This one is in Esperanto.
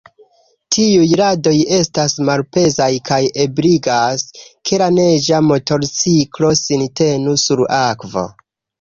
Tiuj radoj estas malpezaj kaj ebligas, ke la neĝa motorciklo sin tenu sur akvo.